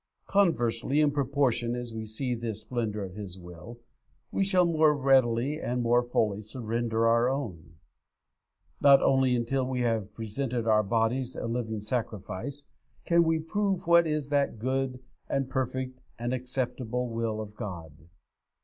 Conversely, in proportion as we see this splendour of His will, we shall more readily or more fully surrender our own. Not until we have presented our bodies a living sacrifice can we prove what is that good, and perfect, and acceptable will of God.